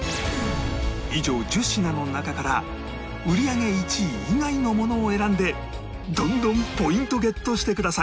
以上１０品の中から売り上げ１位以外のものを選んでどんどんポイントゲットしてください